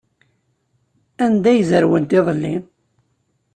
Anda ay zerwent iḍelli?